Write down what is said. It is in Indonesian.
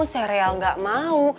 sereal gak mau